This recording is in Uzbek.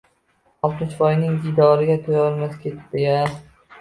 Oltmishvoyning diydoriga to‘yolmay ketdi-ya!